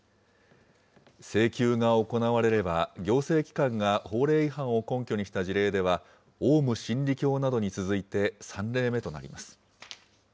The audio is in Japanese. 請求が行われれば、行政機関が法令違反を根拠にした事例では、オウム真理教などに続いて３例目となります。